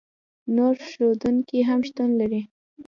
نور ښودونکي هم شتون لري.